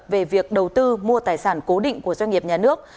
về việc đầu tư mua tài sản cố định của doanh nghiệp nhà nước